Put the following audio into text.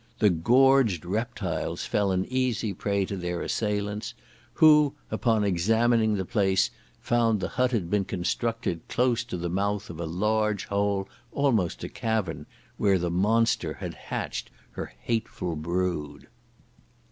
The gorged reptiles fell an easy prey to their assailants, who, upon examining the place, found the hut had been constructed close to the mouth of a large hole, almost a cavern, where the monster had hatched her hateful brood.